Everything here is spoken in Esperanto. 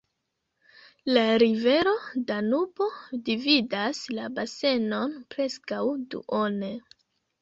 La rivero Danubo dividas la basenon preskaŭ duone.